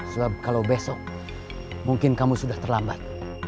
sebab kalau besok mungkin kamu sudah terlambat